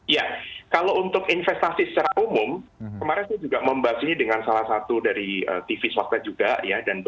ya kalau untuk investasi secara umum kemarin saya juga membahas ini dengan salah satu dari tv swasta juga ya